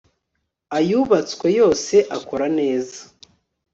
ayubatswe yose akora neza